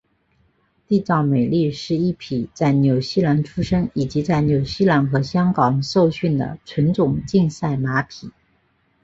缔造美丽是一匹在纽西兰出生以及在纽西兰和香港受训的纯种竞赛马匹。